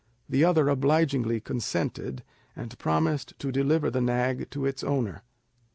The other obligingly consented, and promised to deliver the nag to its owner.